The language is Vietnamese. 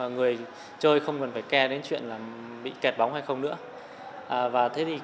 người chơi không cần phải kè đến chuyện bị kẹt bóng hay không nữa